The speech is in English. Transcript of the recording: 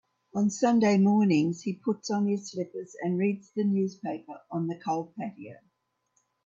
On Sunday mornings, he puts on his slippers and reads the newspaper on the cold patio.